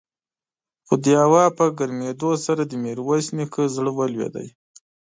خو د هوا په ګرمېدو سره د ميرويس نيکه زړه ولوېد.